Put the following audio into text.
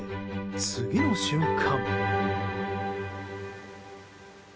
次の瞬間。